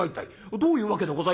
『どういうわけでございます』。